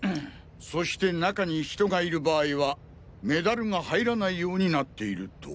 そして中に人がいる場合はメダルが入らないようになっていると。